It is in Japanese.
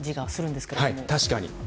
確かに。